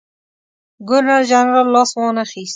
ګورنرجنرال لاس وانه خیست.